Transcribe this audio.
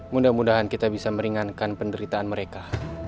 mudah mudahan kita bisa meringankan penderitaan mereka